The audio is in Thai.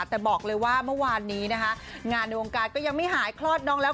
แต่บอกเลยว่าเมื่อวานนี้นะคะงานในวงการก็ยังไม่หายคลอดน้องแล้ว